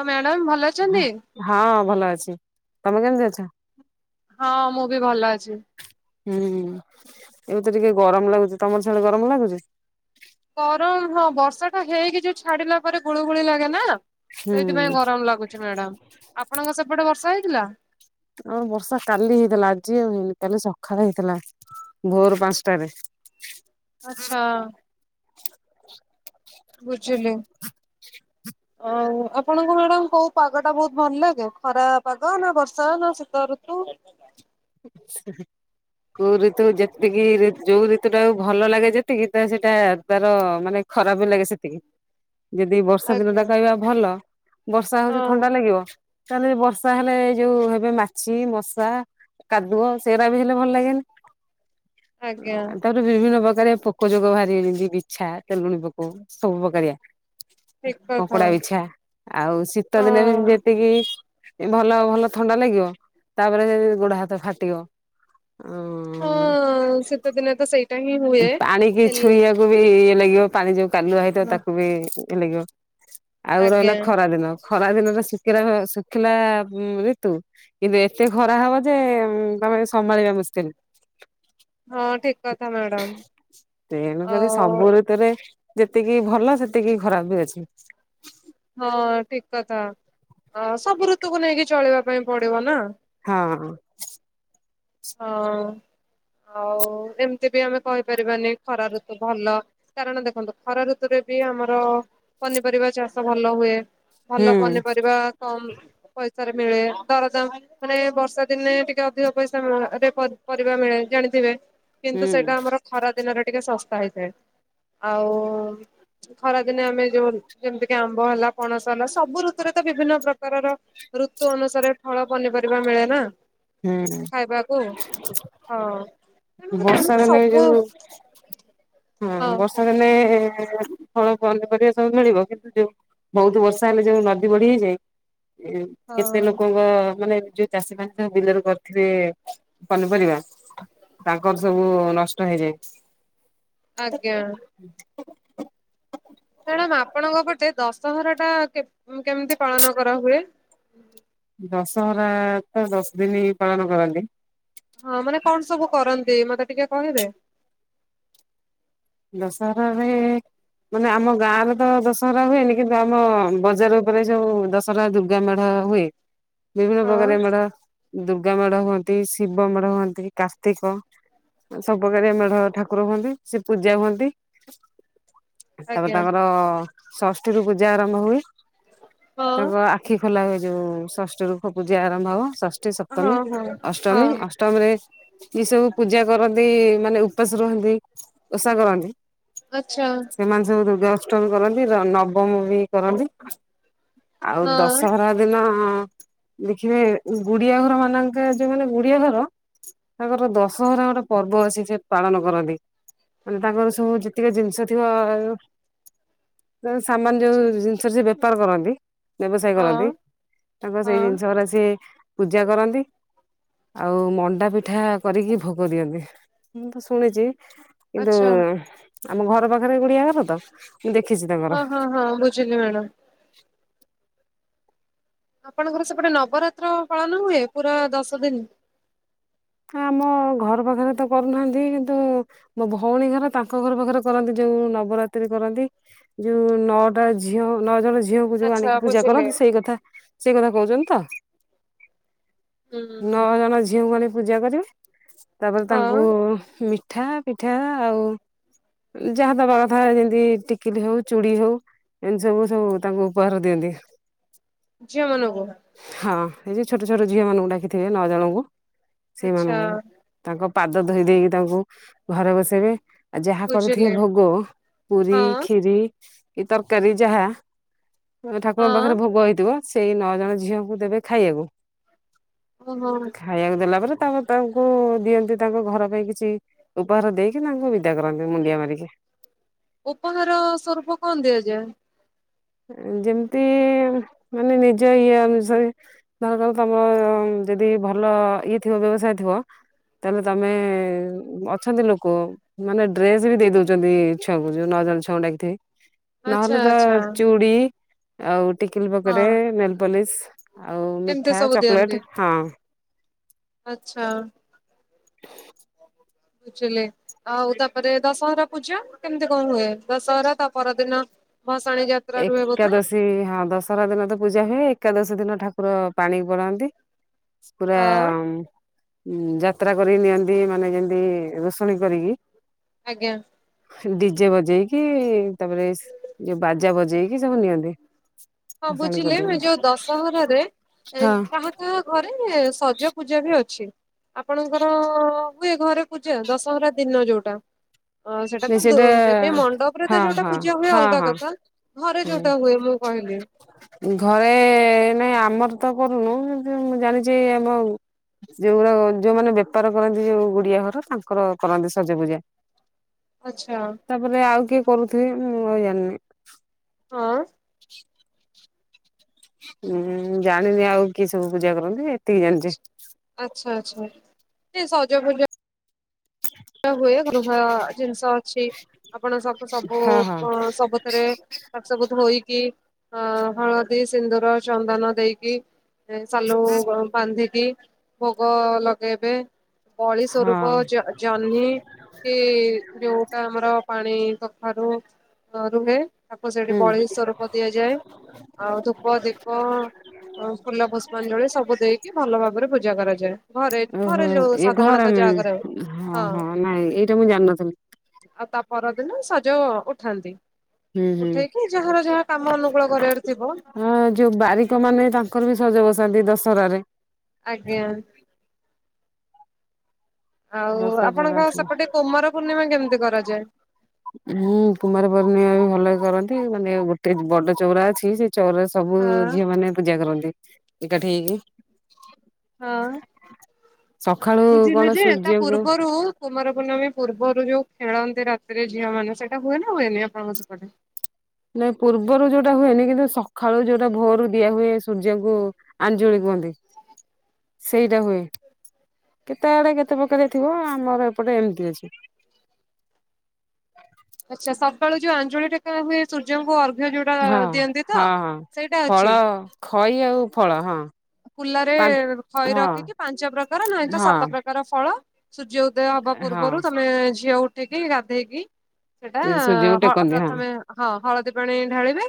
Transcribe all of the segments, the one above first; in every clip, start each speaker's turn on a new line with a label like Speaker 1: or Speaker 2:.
Speaker 1: ହଁ ମ୍ୟାଡ଼ାମ ଭଲ ଅଛନ୍ତି।
Speaker 2: ହଁ ଭଲ ଅଛି ତମେ କେମିତି ଅଛ।
Speaker 1: ହଁ ମୁଁ ବି ଭଲ ଅଛି।
Speaker 2: ହୁଁ ଏବେ ତ ଟିକେ ଗରମ ଲାଗୁଚି ତମର ସଳଳେ ଗରମ ଲାଗୁଚି।
Speaker 1: ଗରମ ହଁ ବର୍ଷା ଟା ହେଇକି ଯୋଉ ଛାଡିଲା ପରେ ଗୁଳୁ ଗୁଳି ଲାଗେ ନା।
Speaker 2: ହୁଁ
Speaker 1: ସେଇଥିପାଇଁ ଗରମ ଲାଗୁଛି ମ୍ୟାଡାମ ଆପଣଙ୍କ ସେପଟେ ବର୍ଷା ହେଇଥିଲା।
Speaker 2: ଆ ବର୍ଷା କାଲି ହେଇଥିଲା ଆଜି ଆଉ ହେଇନି କାଲି ସକାଳ ହେଇଥିଲା ଭୋର ପାଞ୍ଚଟାରେ।
Speaker 1: ଆଚ୍ଛା। ବୁଝିଲୁ।
Speaker 2: ହଁ
Speaker 1: ଆପଣଙ୍କ ମ୍ୟାଡାମ କୋଉ ପାଗ ଟା ବହୁତ ଭଲ ଲାଗେ ଖରା ପାଗ ନା ବର୍ଷା ନା ଶୀତ ଋତୁ।
Speaker 2: କୋଉ ଋତୁ ଯେତିକି ଯୋଉ ଋତୁ ଟା ଭଲ ଲାଗେ ଯେତିକି ତ ସେଇଟା ତାର ମାନେ ଖରାପ ବି ଲାଗେ ସେତିକି।
Speaker 1: ହ
Speaker 2: ଯଦି ବର୍ଷା ଦିନ ଟା କହିବା ଭଲ ବର୍ଷା ହଉଛି
Speaker 1: ହଁ
Speaker 2: ଥଣ୍ଡା ଲାଗିବ। ତାହେଲେ ବର୍ଷା ହେଲେ ଏଇ ଯୋଉ ହେବେ ମାଛି ମଶା କାଦୁଅ ସେରା ବି ହେଲେ ଭଲ ଲାଗେନି
Speaker 1: ଆଜ୍ଞା
Speaker 2: ହଁ ତା ପରେ ବିଭିନ୍ନ ପ୍ରକାର ପୋକ ଯୋଗ ବାହାରିବେ ଯେମିତି ବିଛା ତେଲୁଣି ପୋକ ସବୁ ପକାରିଆ।
Speaker 1: ଠିକ କଥା।
Speaker 2: କଙ୍କଡା ବିଛା ଆଉ ଶୀତ ଦିନେ ବି
Speaker 1: ହଁ
Speaker 2: ଏତିକି ଏ ଭଲ ଭଲ ଥଣ୍ଡା ଲାଗିବ ତାପରେ ଏ ଗୋଡ ହାତ ଫାଟିବ। ଉ
Speaker 1: ହଁ ଶୀତ ଦିନେ ତ ସେଇ
Speaker 2: ପାଣିିକି ଛୁଇଁବାକୁ କୁ ବି ଇଏ ଲାଗିବ ପାଣି ଯୋଉ କାଲୁଆ ହେଇଥିବ ତାକୁ ବି ଇଏ ଲାଗିବ। ଆଉ
Speaker 1: ଆଜ୍ଞା
Speaker 2: ରହିଲା ଖରା ଦିନ ଖରା ଦିନ ରେ ଶୁଖିଲା ଶୁଖିଲା ଋତୁ କିନ୍ତୁ ଏତେ ଖରା ହବ ଯେ ତମେ ସମ୍ଭାଳିବା ମୁସ୍କିଲ।
Speaker 1: ହଁ ଠିକ କଥା ମ୍ୟାଡାାମ ଆଉ
Speaker 2: ତେରେ ଯେତିକି ଭଲ ସେତିକି ଖରାପ ବି ଅଛି।
Speaker 1: ହଁ ଠିକ କଥା ଅ ସବୁ ଋତୁକୁ ନେଇକି ଚଳିବା ପାଇଁ ପଡିବ ନା।
Speaker 2: ହଁ।
Speaker 1: ହଁ ଆଉ ଏମିତି ବି ଆମେ କହିପାରିବାନି ଖରା ଋତୁ ଭଲ। କାରଣ ଦେଖନ୍ତୁ ଖରା ଋତୁରେ ବି ଆମର ପନିପରିବା ଚାଷ ଭଲ ହୁଏ। ଭଲ
Speaker 2: ହୁଁ
Speaker 1: ପନିପରିବା କମ୍ ପଇସା ରେ ମିଳେ ଦରଦାମ ମାନେ ବର୍ଷା ଦିନେ ଟିକେ ଅଧିକ ପଇସା ରେ ରେ ପରିବା ମିଳେ ଜାଣିଥିବେ କିନ୍ତୁ
Speaker 2: ହୁଁ
Speaker 1: ସେଇଟା ଆମର ଖରା ଦିନରେ ଟିକେ ଶସ୍ତା ହେଇଥାଏ ଆଉ ଖରା ଦିନେ ଆମେ ଯୋଉ ଯେମିତିକି ଆମ୍ବ ହେଲା ପଣସ ହେଲା ସବୁ ଋତୁରେ ତ ବିଭିନ୍ନ ପ୍ରକାରର ଋତୁ ଅନୁସାରେ ଫଳ ପନିପରିବା ମିଳେ ନା।
Speaker 2: ହୁଁ।
Speaker 1: ଖାଇବାକୁ ହଁ ତେଣୁକରି
Speaker 2: ବର୍ଷା
Speaker 1: ଆମକୁ
Speaker 2: ଦିନେ
Speaker 1: ସବୁ
Speaker 2: ଯୋଉ ହଁ ବର୍ଷା ଦିନେ ଫଳ ପନିପରିବା ସବୁ ମିଳିବ କିନ୍ତୁ ଯୋଉ ବହୁତ ବର୍ଷା ହେଲେ ଯୋଉ ନଦୀ ବଢି ହେଇଯାଏ ଏ କେତେ
Speaker 1: ହଁ
Speaker 2: ଲୋକଙ୍କ ମାନେ ଯଉ ଚାଷିମାନେ ଯ ବିଲରେ କରିିଥିଲେ ପନିପରିବା ତାଙ୍କର ସବୁ ନଷ୍ଟ ହେଇଯାଏ।
Speaker 1: ଆଜ୍ଞା। ମ୍ୟାଡାମ ଆପଣଙ୍କ ପଟେ ଦଶହରା ଟା କେ କେମିତି ପାଳନ କରା ହୁଏ।
Speaker 2: ଦଶହରା ତ ଦଶ ଦିନ ପାଳନ କରନ୍ତି।
Speaker 1: ହଁ ମାନେ କଣ ସବୁ କରନ୍ତି ମତେ ଟିକେ କହିବେ।
Speaker 2: ଦଶହରାରେ ମାନେ ଆମ ଗାଁ ରେ ତ ଦଶହରା ହୁଏନି କିନ୍ତୁ ଆମ ବଜାର ଉପରେ ଯୋଉ ଦଶ ହରା ଦୁର୍ଗା ମେଢ ହୁଏ ବିଭିନ୍ନ
Speaker 1: ହଁ
Speaker 2: ପ୍ରକାର ମେଢ ଦୁର୍ଗାାମେଢ ହୁଅନ୍ତି ଶିବ ମେଢ ହୁଅନ୍ତି କାର୍ତ୍ତିକ ଆ ସବୁ ପାକାରିଆ ମେଢ ଠାକୁର ହୁଅନ୍ତି ସି ପୂଜା ହୁଅନ୍ତି ତାପରେ
Speaker 1: ଆଜ୍ଞା
Speaker 2: ତାଙ୍କର ଷଷ୍ଠୀ ରୁ ପୂଜା ଆରମ୍ଭ ହୁଏ
Speaker 1: ହଁ।
Speaker 2: ତାଙ୍କ ଆଖି ଖୋଲା ହୁଏ ଯୋଉ ଷଷ୍ଠୀ ଠୁ ପୂଜା ଆରମ୍ଭ ହବ ଷଷ୍ଠୀ
Speaker 1: ହଁ
Speaker 2: ସପ୍ମୀ
Speaker 1: ହଁ
Speaker 2: ଅଷ୍ଟମୀ
Speaker 1: ହଁ
Speaker 2: ଅଷ୍ଟ ମୀରେ ଯିଏ ସବୁ ପୂଜା କରନ୍ତି ମାନେ ଉପାସ ରୁହନ୍ତି। ଓଷା କରନ୍ତି।
Speaker 1: ଆଛା।
Speaker 2: ସେମାନେ ସବୁ ଦୁର୍ଗା ଅଷ୍ଟମୀ କରନ୍ତି ର ନବମି ବି କରନ୍ତି ଆଉ
Speaker 1: ହଁ
Speaker 2: ଦଶହରା ଦିନ ଦେଖିବେ ଗୁଡିଆ ଘର ମାନଙ୍କେ ଯୋଉ ମାନେ ଗୁଡିଆ ଘର ତାଙ୍କର ଦଶହରା ଗୋଟେ ପର୍ବ ଅଛି ସେ ପାଳନ କରନ୍ତି। ମାନେ ତାଙ୍କର ସବୁ ଯେତିକି ଜିନିଷ ଥିବ ଅ ସାମାନ ଯୋଉ
Speaker 1: ଆଚ୍ଛା
Speaker 2: ଜି ସ ସେ ବେପାର କରନ୍ତି ବ୍ୟବସାୟ
Speaker 1: ହଁ।
Speaker 2: କରନ୍ତି ତାଙ୍କର ସେଇ
Speaker 1: ହଁ
Speaker 2: ଜିନିଷ ଉରା ସେ ପୂଜା କରନ୍ତି। ଆଉ ମଣ୍ଡା ପିଠା କରିକି ଭୋଗ ଦିଅନ୍ତି ମୁଁ ତ ଶୁଣିଚି। କିନ୍ତୁ
Speaker 1: ଆଚ୍ଛା
Speaker 2: ଆମ ଘର ପାଖରେ ଗୁଡିଆଘର ତ। ମୁଁ ଦେଖିଛି ତାଙ୍କର
Speaker 1: ହଁ ହଁ ହଁ ବୁଝିଲି ମ୍ୟାଡ଼ାମ। ଆପଣଙ୍କର ସେପଟେ ନବରାତ୍ର ପାଳନ ହୁଏ ପୁରା ଦଶ ଦିନ?
Speaker 2: ହଁ ମୋ ଘର ପାଖରେ ତ କରୁନାହାନ୍ତି କିନ୍ତୁ ମୋ ଭଉଣୀ ଘର ତାଙ୍କ ଘର ପାଖରେ କରନ୍ତି ଯୋଉ ନବରାତ୍ରି କରନ୍ତି। ଯୋଉ ନଅଟା ଝିଅ ନଅ ଜଣ ଝିଅ ଯୋଗ
Speaker 1: ଆଚ୍ଛା
Speaker 2: ଆଣିକି ପୂଜା
Speaker 1: ବୁଝିଲି।
Speaker 2: କରନ୍ତି ସେଇ କଥା ସେଇ କଥା କହୁଚନ୍ତି ତ
Speaker 1: ହୁଁ
Speaker 2: ନଅ ଜଣ ଝିଅଙ୍କୁ ଆଣି ପୂଜା କରିବେ ତାପରେ
Speaker 1: ହଁ
Speaker 2: ତାଙ୍କୁ ମିଠା ପିଠା ଆଉ ଯାହା ଦବା କଥା ଯେମତି ଟିକିଲି ହଉ ଚୁଡ଼ି ହଉ ଏମିତି ସବୁ ସବୁ ତାଙ୍କୁ ଉପହାର ଦିଅନ୍ତ।
Speaker 1: ଝିଅ ମାନଙ୍କୁ?
Speaker 2: ହଁ ଏଇ ଯେ ଛୋଟ ଛୋଟ ଝିଅମାନଙ୍କୁ ଡାକିଥିବେ ନଅ ଜଣଙ୍କୁ। ସେଇ
Speaker 1: ଆଚ୍ଛା
Speaker 2: ମାନଙ୍କୁ ତାଙ୍କ ପାଦ ଧୋଇ ଦେଇକି ତାଙ୍କୁ ଘରେ ବସେଇବେ। ଆ ଯାହା କରିଥିବେ
Speaker 1: ବୁଝିଲି।
Speaker 2: ଭୋଗ ପୁରୀ
Speaker 1: ହଁ
Speaker 2: ଖିରି। କି ତରକାରୀ ଯାହା ଠାକୁରଙ୍କ
Speaker 1: ହଁ
Speaker 2: ପାଖରେ ଭୋଗ ହେଇଥିବ। ସେଇ ନଅ ଜଣ ଝିଅଙ୍କୁ ଦେବେ ଖାଇବାକୁ।
Speaker 1: ଓ ହୋ।
Speaker 2: ଖାଇବାକୁ ଦେଲା ପରେ ତାଙ୍କୁ ଦିଅନ୍ତି ତାଙ୍କ ଘର ପାଇଁ କିଛି ଉପହାର ଦେଇକି ତାଙ୍କୁ ବିଦା କରନ୍ତି ମୁଣ୍ଡିଆ ମାରିକି।
Speaker 1: ଉପହାର ସ୍ୱରୂପ କଣ ଦିଆଯାଏ?
Speaker 2: ଯେମିତି ମାନେ ନିଜ ଇଏ ଅନୁସାରେ। ଧର କାର ତମର ଯଦି ଭଲ ଇଏ ଥିବ ବ୍ୟବସାୟ ଥିବ ତାଲେ ତମେ ଅଛନ୍ତି ଲୋକ ମାନେ ଡ୍ରେସ ବି ଦେଇ ଦଉଚନ୍ତି ଛୁଆଙ୍କୁ ଯୋଉ ନଅ ଜଣ ଛଅ ଡାକିଥିବେ।
Speaker 1: ଆଚ୍ଛା
Speaker 2: ନହେଲେ ତା
Speaker 1: ଆଚ୍ଛା
Speaker 2: ଚୁଡି ଆଉ ଟିକିଲି ପକଡେ
Speaker 1: ହଁ
Speaker 2: ନେଲ ପୋଲିସ। ଆଉ
Speaker 1: ଏମିତି
Speaker 2: ମିଠା
Speaker 1: ସବୁ
Speaker 2: ଚକୋଲେଟ ହଁ।
Speaker 1: ଆଚଛା।
Speaker 2: [inaudible]
Speaker 1: ଚିଲେ ଆଉ ତାପରେ ଦଶହରା ପୂଜା କେମିତି କଣ ହୁଏ? ଦଶହରା ତା ପରଦିନ ଭସାଣି ଯାଗ
Speaker 2: ଏକାଦଶୀ ହଁ ଦଶହରା ଦିନ ତ ପୂଜା ହୁଏ। ଏକାଦଶୀ ଦିନ ଠାକୁର ପାଣି ପଡନ୍ତି। ପୁରା
Speaker 1: ହଁ
Speaker 2: ଉ ଯାତ୍ରା କରିକି ନିଅନ୍ତି ମାନେ ଯେମତି ରୋଷଣୀ କରିକି
Speaker 1: ଆଜ୍ଞା।
Speaker 2: ଡିଜେ ବଜେଇକି ତାପରେ ଯୋଉ ବାଜ ଯ ବଜେଇକି ସବ ନିଅନ୍ତି।
Speaker 1: ହଁ
Speaker 2: ଭସାଣି
Speaker 1: ବୁଝିଲେ
Speaker 2: କରିଦିଅନ୍ତି
Speaker 1: ଯୋଉ ଦଶହରାରେ ଏ
Speaker 2: ହଁ
Speaker 1: କାହା କାହା ଘରେ ନୁହେଁ ସଜ ପୂଜା ବି ଅଛି। ଆପଣଙ୍କର ହୁଏ ଘରେ ପୂଜ ଦଶହରା ଦିନ ଯୋଉଟା। ଅ ସେଟା
Speaker 2: ନାଇଁ
Speaker 1: ତ
Speaker 2: ସେଇଟା
Speaker 1: ଦୂରରୁ ଦେବେ। ମଣ୍ଡପରେ ତ
Speaker 2: ହଁ
Speaker 1: ଯୋଉଟା
Speaker 2: ହଁ
Speaker 1: ପୂଜା ହୁଏ
Speaker 2: ହଁ
Speaker 1: ଅଲଗା
Speaker 2: ହଁ।
Speaker 1: କଥା। ଘରେ ଯୋଉଟା ହୁଏ ମୁଁ କହିଲି।
Speaker 2: ଘରେ ନାଇଁ ଆମର ତ କରୁନୁ ମୁଁ ଜାଣିଚି ଆମ ଯୋଉଗଡା ଯୋଉମାନେ ବେପାର କରନ୍ତି ଯୋଉ ଗୁଡିଆ ଘର ତାଙ୍କର କରନ୍ତି ସଜ ପୂଜା।
Speaker 1: ଆଚଛା।
Speaker 2: ତାପରେ ଆଉ କିଏ କରୁଥିବେ ମୁଁ ଆଉ ଜାଣିନି।
Speaker 1: ହଁ।
Speaker 2: [inaudible] ଉୁଁ ଜାଣିନି ଆଉ କିଏ ସବୁ ପୂଜା କରନ୍ତି ଏତିକି ଜାଣିଛି।
Speaker 1: ଆଚ୍ଛା ଆଚ୍ଛା। ସଜ ପୁଜା ହୁଏ, ଗୃହ ଜିନିଷ ଅଛି, ଆପଣ ସବୁ ସବୁ
Speaker 2: ହଁ ହଁ।
Speaker 1: ସବୁଥିରେ ତା ସବୁ ଧୋଇକି ଅ ହଳଦୀ ସିନ୍ଦୁର ଚନ୍ଦନ ଦେଇକି ସାଲୁ ବାନ୍ଧିକି ଭୋଗ ଲଗେଇବେ ବଳି
Speaker 2: ହଁ
Speaker 1: ସ୍ଵରୂପ ଜ-ଜହ୍ନି କି ଯୋଉଟା ଆମର ପାଣି କଖାରୁ ରୁହେ ତାକୁ ସେଠି
Speaker 2: ହୁଁ
Speaker 1: ବଳି ସଵରୂପ ଦିଆଯାଏ। ଆଉ ଧୂପ ଦୀପ ଫୁଲ ପୁଷ୍ପାଞ୍ଜଳି ସବୁ ଦେଇକି ଭଲ ଭାବରେ ପୂଜା କରାଯାଏ। ଘରେ ଏଠି
Speaker 2: ଓହୋ
Speaker 1: ଘରେ ଯୋଉ
Speaker 2: ଏ ଘର
Speaker 1: ସାଧାରଣତଃ ଜାଗାରେ ଆ
Speaker 2: ହଁ ହଁ ନାଇଁ ଏଇଟା ମୁଁ ଜାଣିନଥିଲି।
Speaker 1: ଆଉ ତା ପରଦିନ ସଜ ଉଠାନ୍ତି।
Speaker 2: ହୁଁ ହୁଁ।
Speaker 1: ଉଠେଇକି ଯାହାର ଯାହା କାମ ଅନୁକୂଳ କରିବାର ଥିବ
Speaker 2: ହଁ ଯୋଉ ବାରିକ ମାନେ ତାଙ୍କର ବି ସଜ ବାସନ୍ତୀ ଦଶହରା ରେ
Speaker 1: ଆଜ୍ଞା। ଆଉ
Speaker 2: ଦଶହରାରେ
Speaker 1: ଆପଣଙ୍କ
Speaker 2: ଆସିବ
Speaker 1: ସେପଟେ କୁମାର ପୂର୍ଣ୍ଣିମା କେମିତି କରାଯାଏ?
Speaker 2: ହୁଁ କୁମାର ପର୍ଣ୍ଣିମା ବି ଭଲ କରନ୍ତି ମାନେ ଗୋଟେ ବଡ ଚଉରା ଅଛି ସେ ଚଉରା ସବୁ
Speaker 1: ହଁ
Speaker 2: ଝିଅ ମାନେ ପୂଜା କରନ୍ତି। ଏକାଠି ହେଇକି।
Speaker 1: ହଁ।
Speaker 2: ସକାଳୁ
Speaker 1: ବୁଝିଲି
Speaker 2: କଣ
Speaker 1: ଯେ ତା
Speaker 2: ସୂର୍ଯ୍ୟଙ୍କୁ
Speaker 1: ପୂର୍ବରୁ ରୁ କୁମାର ପୂର୍ଣମୀ ପୂର୍ବରୁ ଯୋଉ ଖେଳନ୍ତି ରାତିରେ ଝିଅ ମାନେ, ସେଇଟା ହୁଏ ନା ହୁଏନି ଆପଣଙ୍କ ସେ ପଟେ?
Speaker 2: ନାଇଁ ପୂର୍ବରୁ ଯୋଉଟା ହୁଏନି, କିନ୍ତୁ ସକାଳୁ ଯୋଉଟା ଭୋରୁ ଦିଆ ହୁଏ ସୂର୍ଯ୍ୟଙ୍କୁ ଆଞ୍ଜୁଳି କୁହନ୍ତି। ସେଇଟା ହୁଏ। କେତେ ଆଡେ କେତେ ପ୍ରକାର ଥିବ। ଆମର ଏପଟେ ଏମିତି ଅଛି।
Speaker 1: ଆଚ୍ଛା ସକାଳୁ ଯୋଉ ଆଞ୍ଜୁଳି ଟେକା ହୁଏ ସୂର୍ଯ୍ୟଙ୍କୁ ଅର୍ଘ୍ୟ ଯୋଉଟା
Speaker 2: ହଁ।
Speaker 1: ଦିଅନ୍ତି ତ,
Speaker 2: ହଁ ହଁ
Speaker 1: ସେଇଟା
Speaker 2: ଫଳ
Speaker 1: ଅଛି।
Speaker 2: ଖଇ ଆଉ ଫଳ। ହଁ।
Speaker 1: କୁଲାରେ
Speaker 2: ପା
Speaker 1: ଖଇ
Speaker 2: ହଁ
Speaker 1: ରଖିକି ପାଞ୍ଚ ପ୍ରକାର ନହି ତ
Speaker 2: ହଁ
Speaker 1: ସାତ ପ୍ରକାର ଫଳ, ସୁୂର୍ଯ୍ୟ ଉଦୟ ହବା
Speaker 2: ହଁ।
Speaker 1: ପୂର୍ବରୁ, ତମେ ଝିଅ ଉଠିକି ଗାଧେଇକି ସେଇଟା
Speaker 2: ସେ ସୂର୍ଯ୍ୟଙ୍କୁ ଟେକନ୍ତି ହଁ
Speaker 1: ପ୍ରଥମେ ହଁ ହଳଦୀ ପାଣି ଢାଳିବେ,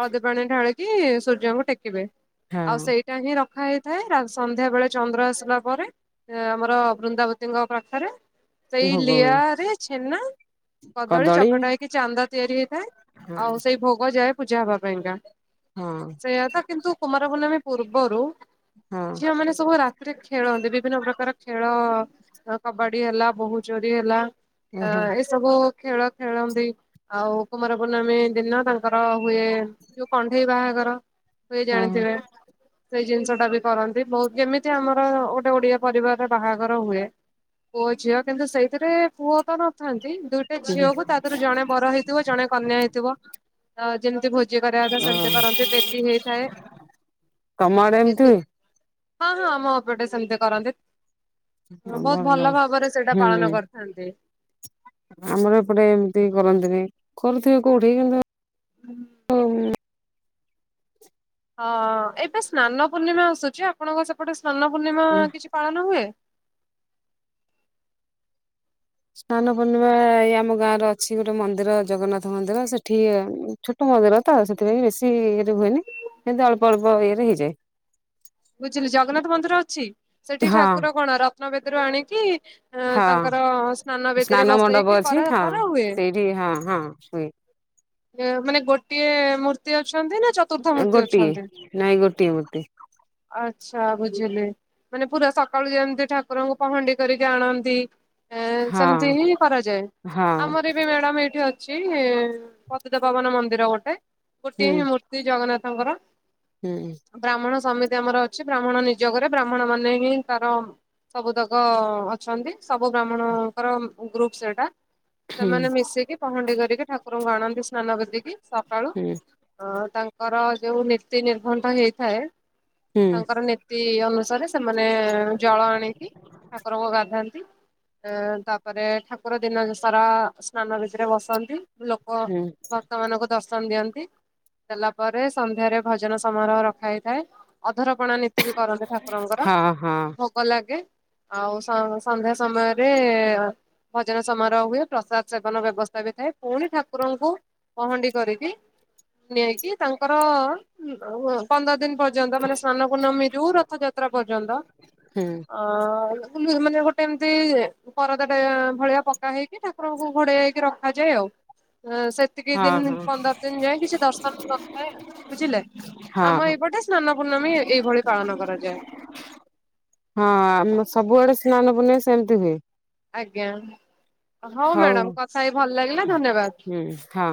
Speaker 1: ହଳଦୀ ପାଣି ଢାଳିକି ସୂର୍ଯ୍ୟଙ୍କୁ ଟେକିବେ। ଆଉ
Speaker 2: ହଁ
Speaker 1: ସେଇଟା ହିଁ ରଖା ହେଇଥାଏ, ସନ୍ଧ୍ୟା ବେଳେ ଚନ୍ଦ୍ର ଆସିଲା ପରେ ଆମର ବୃନ୍ଦାବତୀଙ୍କ ପାଖରେ। ସେଇ
Speaker 2: ଭୋଗ ହୁଏ
Speaker 1: ଲିଆ ରେ ଛେନା କଦଳୀ ଚକଟା ହେଇକି ଚାନ୍ଦା ତିଆରି ହେଇଥାଏ।
Speaker 2: ହଁ
Speaker 1: ଆଉ ସେଇ ଭୋଗ ଯାଏ ପୂଜା ହବା ପାଇଁକା।
Speaker 2: ହଁ
Speaker 1: ସେଇଆା ତ କିନ୍ତୁ କୁମାର ପୂର୍ଣ୍ଣମୀ ପୂର୍ବରୁ
Speaker 2: ହଁ
Speaker 1: ଝିଅ ମାନେ ସବୁ ରାତି ରେ ଖେଳନ୍ତି। ବିଭିନ୍ନ ପ୍ରକାର ଖେଳ ହେଲା, କବାଡି ହେଲା, ବୋହୁୂ ଚୋରି ହେଲା ଅ
Speaker 2: ଓହୋ
Speaker 1: ଏସବୁ ଖେଳ ଖେଳନ୍ତି। ଆଉ କୁମାର ପୂର୍ଣ୍ଣମୀ ଦିନ ତାଙ୍କର ହୁଏ, ଯୋଉ କଣ୍ଢେଇ ବାହାଘର। ହୁଏ
Speaker 2: ଓହୋ
Speaker 1: ଜାଣିଥିବେ? ସେଇ ଜିନିଷ ଟା ବି କରନ୍ତି। ବହୁତ, ଯେମିତି ଆମର ଗୋଟେ ଓଡିଆ ପରିବାରରେ ବାହାଘର ହୁଏ ପୁଅ ଝିଅ, କିନ୍ତୁ ସେଇଥିରେ ପୁଅ ତ ନଥାନ୍ତି ଦୁଇ ଟି, ଝିଅକୁ ତା ଦେହରୁ ଜଣେ ବର ହେଇଥିବ, ଜଣେ କନ୍ୟା ହେଇଥିବ। ତ ଯେମିତି ଭୋଜି ଭୋଜି କରିବା କଥା
Speaker 2: ଓ
Speaker 1: ସେମିତି କରନ୍ତି। ବେଦୀ ହେଇଥାଏ
Speaker 2: ତମ ଆଡେ ଏମିତି
Speaker 1: ବେଦୀ, ହଁ ହଁ ଆମ ଏ ପଟେ ସେମିତି କରନ୍ତି। ହ ବୋହୁତ୍ ଭଲ ଭାବରେ ସେଇଟା
Speaker 2: ହୁଁ
Speaker 1: ପାଳନ କରିଥାନ୍ତି।
Speaker 2: ଆମର ଏପଟେ ଏମିତି କରନ୍ତିନି। କରୁଥିବେ କୋଉଠି କିନ୍ତୁ
Speaker 1: ହ ହଁ ଏବେ ସ୍ନାନ ପୂର୍ଣ୍ଣିମା ଆସୁଛି। ଆପଣଙ୍କ ସେପଟେ ସ୍ନାନ ପୂର୍ଣ୍ଣିମା କିଛି ପାଳନ ହୁଏ?
Speaker 2: ସ୍ନାନ ପୂର୍ଣିମା ଏଇ ଆମ ଗାଁ ର ଅଛି ଗୋଟେ ମନ୍ଦିର ଜଗନ୍ନାଥ ମନ୍ଦିର, ସେଠି ଛୋଟ ମନ୍ଦିର ତ ସେଥିପାଇଁ ବେଶୀ ଇଏରେ ହୁଏନି ସେମତି ଅଳ୍ପ ଅଳ୍ପ ଇଏରେ ହେଇଯାଏ।
Speaker 1: ବୁଝିଲି ଜଗନ୍ନାଥ ମନ୍ଦିର ଅଛି ସେଇଠି
Speaker 2: ହଁ
Speaker 1: ଠାକୁର କଣ ରତ୍ନବେଦୀରୁ ଆଣିକି ଆଁ
Speaker 2: ହଁ
Speaker 1: ତାଙ୍କର ସ୍ନାନ ବଦୀରେ
Speaker 2: ମଣ୍ଡପ
Speaker 1: ବସେଇକି
Speaker 2: ଅଛି
Speaker 1: କର
Speaker 2: ହଁ
Speaker 1: କରା ହୁଏ।
Speaker 2: ସେଇଠି ହଁ ହଁ ହୁଏ
Speaker 1: ଏ ମାନେ ଗୋଟିଏ ମୂର୍ତ୍ତି ଅଛନ୍ତି ନା ଚତୁର୍ଦ୍ଧା
Speaker 2: ଏଁ
Speaker 1: ମୂର୍ତ୍ତି
Speaker 2: ଗୋଟିଏ
Speaker 1: ଅଛନ୍ତି?
Speaker 2: ନାଇଁ ଗୋଟିଏ ମୂର୍ତ୍ତି।
Speaker 1: ଆଚ୍ଛା ବୁଝିଲି। ମାନେ ପୁରା ସକାଳୁ ଯେମିତି ଠାକୁରଙ୍କୁ ପହଣ୍ଡି କରିକି ଆଣନ୍ତି। ଏଁ ସେମିତି
Speaker 2: ହଁ
Speaker 1: ହିଁ କରାଯାଏ।
Speaker 2: ହଁ
Speaker 1: ଆମର ବି ମ୍ୟାଡ଼ାମ ଏଇଠି ଅ ଛି ପ୍ରତିତପବାନ ମନ୍ଦିର ଗୋଟେ
Speaker 2: ହୁଁ
Speaker 1: ଗୋଟିଏ ହିଁ ମୂର୍ତ୍ତି ଜଗନ୍ନାଥଙ୍କର।
Speaker 2: ହୁଁ।
Speaker 1: ବ୍ରାହ୍ମଣ ସମିତି ଆମର ଅଛି ବ୍ରାହ୍ମଣ ନିଯୋଗରେ ବ୍ରାହ୍ମଣ ମାନେ ହିଁ ତାର ସବୁ ତକ ଅଛନ୍ତି ସବୁ ବ୍ରାହ୍ମଣଙ୍କର ଗ୍ରୁପ ସେଟା।
Speaker 2: ହୁଁ
Speaker 1: ସେମାନେ ମିଶିକି ପହଣ୍ଡି କରିକି ଠାକୁରଙ୍କୁ ଆଣନ୍ତି ସ୍ନାନ ବେଦୀକି ସକାଳୁ।
Speaker 2: ହୁଁ
Speaker 1: ଅ ତାଙ୍କର ଯୋଉ ନୀତି ନିର୍ଘଣ୍ଟ ହେଇଥାଏ।
Speaker 2: ହୁଁ
Speaker 1: ତାଙ୍କର ନୀତି ଅନୁସାରେ ସେମାନେ ଜଳ ଆଣିକି ଠାକୁରଙ୍କୁ ଗାଧାନ୍ତି। ଏ ତା ପରେ ଠାକୁର ଦିନ ସାରା ସ୍ନାନ ଭିତରେ ବସନ୍ତି। ଲୋକ ଭକ୍
Speaker 2: ହୁଁ
Speaker 1: ଭକ୍ତମାନଙ୍କୁ ଦର୍ଶନ ଦିଅନ୍ତି। ଦେଲା ପରେ ସନ୍ଧ୍ୟାରେ ଭଜନ ସମାରୋହ ରଖା ହେଇଥାଏ। ଅଧରପଣା ନୀତି ବି କରନ୍ତି ଠାକୁରଙ୍କର
Speaker 2: ହଁ ହଁ
Speaker 1: ଭୋଗ ଲାଗେ। ଆଉ ସ-ସନ୍ଧ୍ୟା ସମୟରେ ଭଜନ ସମାରୋହ ହୁଏ। ପ୍ରସାଦ ସେବନ ବ୍ୟବସ୍ଥା ବି ଥାଏ। ପୁଣି ଠାକୁରଙ୍କୁ ପହଣ୍ଡି କରିକି ନେଇକି ତାଙ୍କର ଅ ୱ ପନ୍ଦର ଦିନ ପର୍ଯ୍ୟନ୍ତ ମାନେ ସ୍ନାନ ପୂର୍ଣ୍ଣମୀ ଯୋଉ ରଥଯାତ୍ରା ପର୍ଯ୍ୟନ୍ତ
Speaker 2: ହୁଁ
Speaker 1: ଅ କୁଲୁରୁ ମାନେ ଗୋଟେ ଏମିତି ପରଦା ଟେ ଭଳିଆ ପକା ହେଇକି ଠାକୁରଙ୍କୁ ଘୋଡେଆ ହେଇକି ରଖାଯାଏ ଆଉ। ସେ ଏତିକି
Speaker 2: ହଁ
Speaker 1: ଦିନ
Speaker 2: ହଁ
Speaker 1: ପନ୍ଦର ଦିନ ଯାଏଁ କିଛି ଦର୍ଶନ ନଥାଏ। ବୁଝିଲେ ଆମ
Speaker 2: ହଁ ହଁ
Speaker 1: ଏଇପଟେ ସ୍ନାନ ପୂର୍ଣ୍ଣମୀ ଏଇ ଭଳି ପାଳନ କରାଯାଏ।
Speaker 2: ହଁ ଆମ ସବୁଆଡେ ସ୍ନାନପୂର୍ଣ୍ଣଇଁ ସେମିତି ହୁଏ।
Speaker 1: ଆଜ୍ଞା ହଉ ମ୍ୟାଡାମ କଥା ହେଇ ଭଲ ଲାଗିଲା ଧନ୍ୟବାଦ।
Speaker 2: ହୁଁ ହଁ